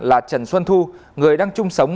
là trần xuân thu người đang chung sống